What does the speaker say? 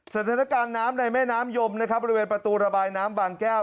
สถานการณ์น้ำในแม่น้ำยมนะครับบริเวณประตูระบายน้ำบางแก้ว